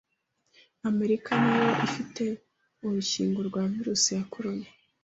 America niyo ifite urukingo rwa virus ya corona